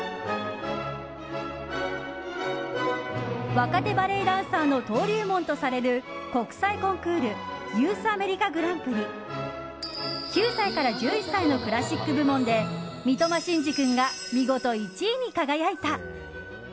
若手バレエダンサーの登竜門とされる国際コンクールユース・アメリカ・グランプリ９歳から１１歳のクラシック部門で三苫心嗣君が見事１位に輝いた。